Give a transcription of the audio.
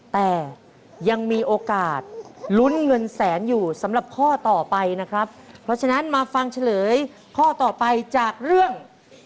แต่ยังมีโอกาสลุ้นเงินแสนอยู่สำหรับข้อต่อไปนะครับเพราะฉะนั้นมาฟังเฉลยข้อต่อไปจากเรื่อง